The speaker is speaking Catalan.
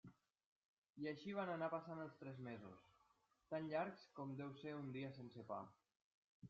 I així van anar passant els tres mesos, tan llargs com deu ser un dia sense pa.